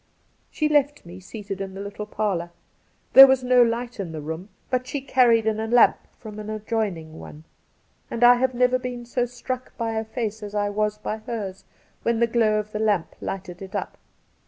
She left me seated in the little parlour. There was no light in the room, but she carried in a lamp from an adjoining one ; and I have never been so struck by a face as I was by hers when the glow of the lamp lighted it up.